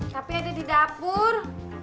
tapi ada di dapur